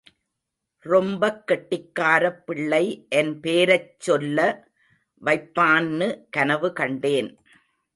ரொம்பக் கெட்டிக்காரப் பிள்ளை என் பேரைச் சொல்ல வைப்பான்னு கனவு கண்டேன்.